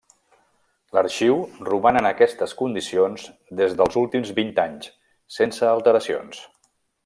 L'arxiu roman en aquestes condicions des dels últims vint anys, sense alteracions.